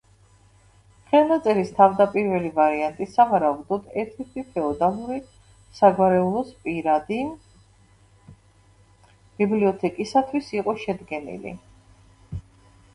ხელნაწერის თავდაპირველი ვარიანტი, სავარაუდოდ, ერთ-ერთი ფეოდალური საგვარეულოს პირადი ბიბლიოთეკისათვის იყო შედგენილი.